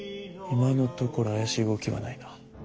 今のところ怪しい動きはないな。